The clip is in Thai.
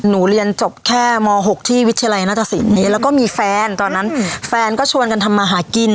เรียนจบแค่ม๖ที่วิทยาลัยนาฏศิลป์แล้วก็มีแฟนตอนนั้นแฟนก็ชวนกันทำมาหากิน